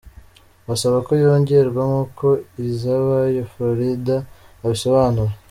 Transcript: Basaba ko yongerwa; nkuko Izabayo Florida abisobanura.